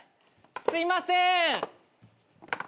すいません。